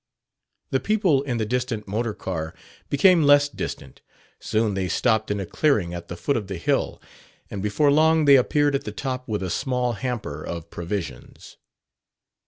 The people in the distant motor car became less distant; soon they stopped in a clearing at the foot of the hill, and before long they appeared at the top with a small hamper of provisions.